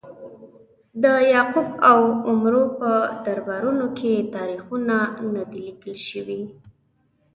د یعقوب او عمرو په دربارونو کې تاریخونه نه دي لیکل شوي.